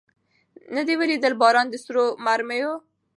نه دي ولیدی باران د سرو مرمیو